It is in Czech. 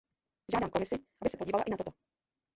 Žádám Komisi, aby se podívala i na toto.